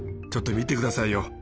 ちょっと見て下さいよ。